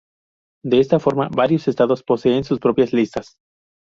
De esta forma varios estados poseen sus propias listas.